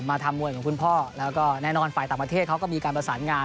ทำมวยของคุณพ่อแล้วก็แน่นอนฝ่ายต่างประเทศเขาก็มีการประสานงาน